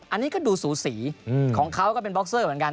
อันนี้ก็ดูสูสีของเขาก็เป็นบ็อกเซอร์เหมือนกัน